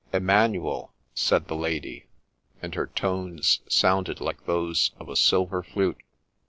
' Emmanuel !' said the Lady ; and her tones sounded like those of a silver flute.